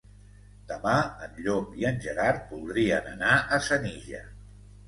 Demà en Llop i en Gerard voldrien anar a Senija.